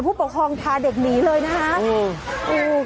ผู้ปกครองพาเด็กหนีเลยนะคะ